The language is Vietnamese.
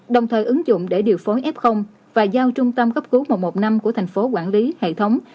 đồng thời ứng dụng để điều phối f và giao trung tâm gấp cứu một một năm của tp quản lý hệ thống